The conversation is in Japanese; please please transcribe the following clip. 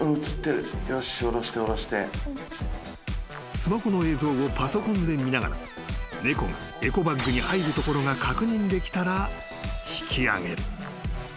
［スマホの映像をパソコンで見ながら猫がエコバッグに入るところが確認できたら引き上げる］